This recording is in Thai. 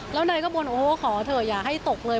แล้วนายก็บนโอ้โหขอเถอะอย่าให้ตกเลย